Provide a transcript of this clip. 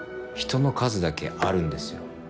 人の数だけあるんですよ。